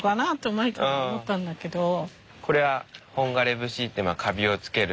これは本枯節ってまあかびをつける。